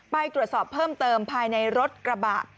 ไปตรวจสอบเพิ่มเติมภายในรถกระบะ